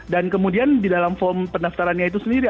dan kemudian di dalam form pendaftarannya itu sendiri